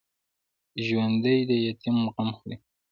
ژوندي د یتیم غم خوري